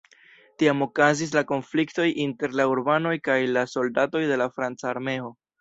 Tiam okazis la konfliktoj inter la urbanoj kaj la soldatoj de la franca armeo.